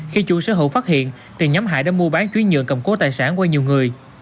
khi chủ sơ hở phát hiện thì nhóm hải đã mua bán chuyến nhượng cầm cố tài sản qua nhiều người